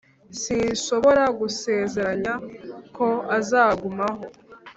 sinshobora gusezeranya ko azagumaho,